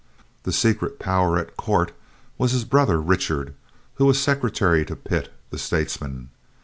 The secret "power at court" was his brother Richard, who was a secretary to Pitt, the statesman.